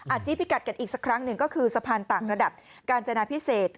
ชี้พิกัดกันอีกสักครั้งหนึ่งก็คือสะพานต่างระดับกาญจนาพิเศษ